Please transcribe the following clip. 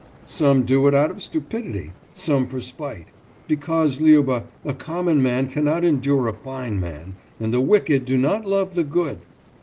»Some do it out of stupidity, some for spite. Because, Liuba, a common man cannot endure a fine man, and the wicked do not love the good....